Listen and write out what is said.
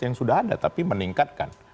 yang sudah ada tapi meningkatkan